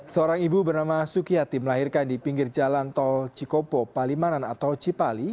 seorang ibu bernama sukiyati melahirkan di pinggir jalan tol cikopo palimanan atau cipali